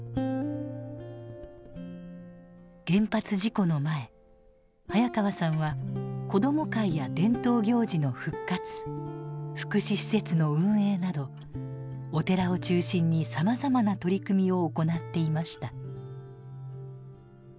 原発事故の前早川さんは子ども会や伝統行事の復活福祉施設の運営などお寺を中心にさまざまな取り組みを行っていました。